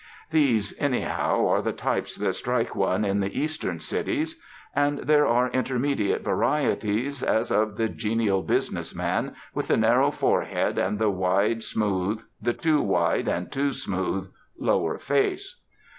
These, anyhow, are the types that strike one in the Eastern cities. And there are intermediate varieties, as of the genial business man, with the narrow forehead and the wide, smooth the too wide and too smooth lower face.